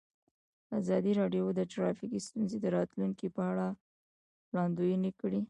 ازادي راډیو د ټرافیکي ستونزې د راتلونکې په اړه وړاندوینې کړې.